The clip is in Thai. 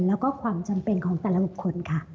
แล้วก็ความจำเป็นของแต่ละบุคคลค่ะ